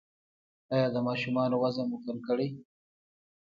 ایا د ماشومانو وزن مو کړی؟